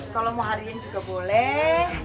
kalau mau hariin juga boleh